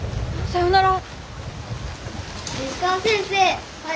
さよなら。